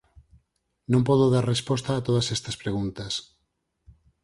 Non podo dar resposta a todas estas preguntas.